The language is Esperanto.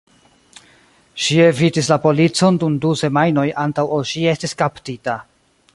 Ŝi evitis la policon dum du semajnoj antaŭ ol ŝi estis kaptita.